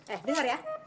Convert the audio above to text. eh dengar ya